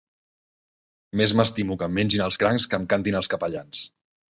Més m'estimo que em mengin els crancs que em cantin els capellans.